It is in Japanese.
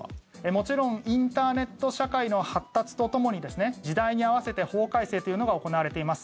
もちろんインターネット社会の発達とともに時代に合わせて法改正というのが行われています。